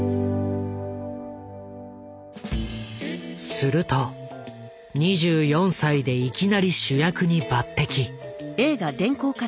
すると２４歳でいきなり主役に抜擢。